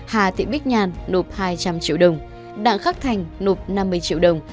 hà thị bích nhàn nộp hai trăm linh triệu đồng đặng khắc thành nộp năm mươi triệu đồng